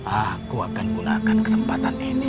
aku akan gunakan kesempatan ini